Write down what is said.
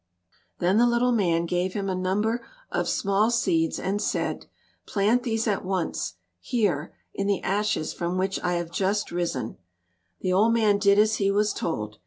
Then the little man gave him a number of small seeds and said, "Plant these at once, here, in the ashes from which I have just risen." The old man did as he was told.